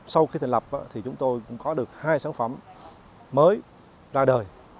sau khi thành lập thì chúng tôi cũng có được hai sản phẩm mới ra đời